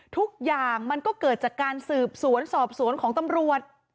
ทุกอย่างมันก็เกิดจากการสืบสวนสอบสวนของตำรวจ